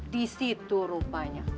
dans itu rupanya